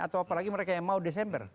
atau apalagi mereka yang mau desember